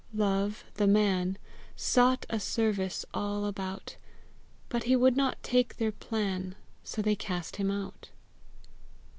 Love, the man, Sought a service all about; But he would not take their plan, So they cast him out.